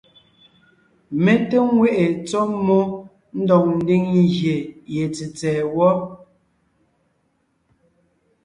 Mé té ŋweʼe tsɔ́ mmó ndɔg ńdiŋ gyè ye tsètsɛ̀ɛ wɔ.